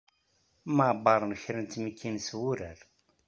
Mɛebbaṛen kra n tmikin s wurar.